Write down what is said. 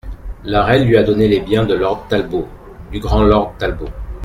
La Reine lui a donné les biens de Lord Talbot, du grand Lord Talbot !